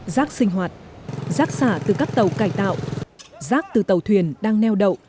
rác sinh hoạt rác xả từ các tàu cải tạo rác từ tàu thuyền đang neo đậu